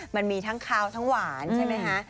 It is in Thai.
มันมีทั้งคาวทั้งหวานใช่ไหมคะ